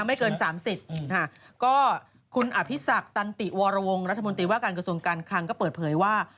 ไม่เกินสามสิบค่ะก็คุณอภิษักตันติวรวงรัฐมนตรีว่าการกระทรวงการคลังก็เปิดเผยว่า